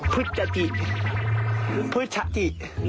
พุทธจิ